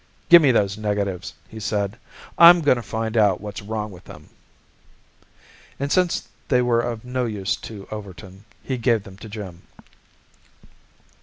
"Give me those negatives!" he said, "I'm going to find out what's wrong with 'em." And since they were of no use to Overton, he gave them to Jim.